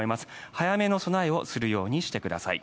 早めの備えをするようにしてください。